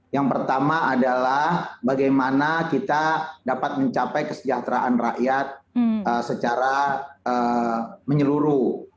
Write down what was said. yang pertama adalah bagaimana kita dapat mencapai kesejahteraan rakyat secara menyeluruh